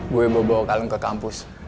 gue bawa kalung ke kampus